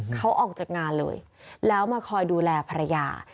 เขาออกจากงานเลยแล้วมาคอยดูแลภรรยา